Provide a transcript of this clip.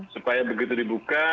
supaya begitu dibuka